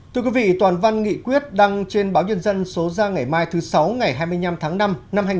thưa quý vị toàn văn nghị quyết đăng trên báo nhân dân số ra ngày mai thứ sáu ngày hai mươi năm tháng năm năm hai nghìn hai mươi ba